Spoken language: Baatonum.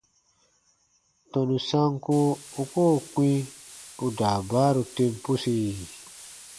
Tɔnu sanko u koo kpĩ ù daabaaru tem pusi?